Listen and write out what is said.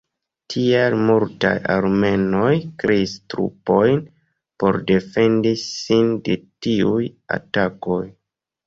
Tial, multaj armenoj kreis trupojn por defendi sin de tiuj atakoj.